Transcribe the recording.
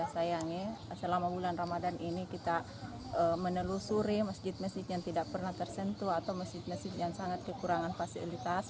sayangi selama bulan ramadan ini kita menelusuri masjid masjid yang tidak pernah tersentuh atau masjid masjid yang sangat kekurangan fasilitas